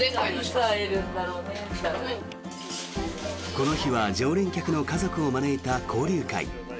この日は常連客の家族を招いた交流会。